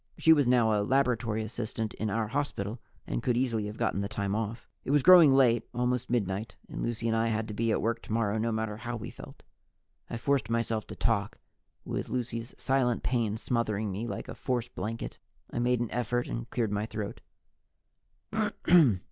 She was now a laboratory assistant in our hospital and could easily have gotten the time off. It was growing late, almost midnight, and Lucy and I had to be at work tomorrow, no matter how we felt. I forced myself to talk, with Lucy's silent pain smothering me like a force blanket. I made an effort and cleared my throat.